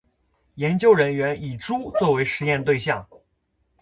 研究人员以猪作为实验对象